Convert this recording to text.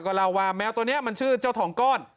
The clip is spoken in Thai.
ก็เล่าว่าแมวตัวนี้มันชื่อเจ้าทองก้อน